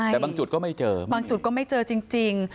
แต่บางจุดก็ไม่เจอบางจุดก็ไม่เจอจริง